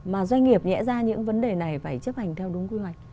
mà doanh nghiệp nhẽ ra những vấn đề này phải chấp hành theo đúng quy hoạch